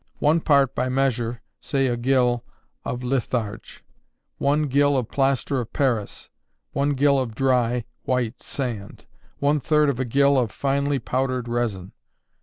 One part, by measure, say a gill, of litharge; one gill of plaster of Paris; one gill of dry, white sand, one third of a gill of finely powdered resin.